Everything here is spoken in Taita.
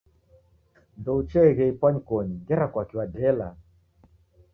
Ndoucheeghe ipwanyikonyi ngera kwaki wadela?